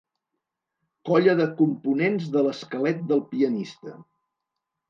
Colla de components de l'esquelet del pianista.